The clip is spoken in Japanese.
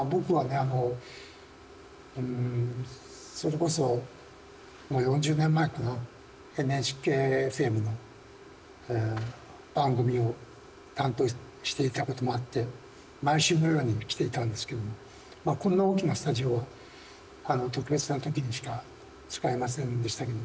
あのそれこそもう４０年前かなＮＨＫの番組を担当していたこともあって毎週のように来ていたんですけどもこんな大きなスタジオは特別な時にしか使えませんでしたけど。